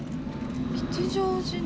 吉祥寺の。